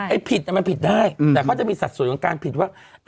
ผิดมันผิดได้แต่เขาจะมีสัดส่วนของการผิดว่า